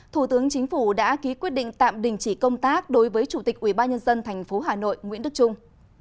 thủ tướng chính phủ đã ký quyết định tạm đình chỉ công tác đối với chủ tịch ubnd tp hà nội nguyễn đức trung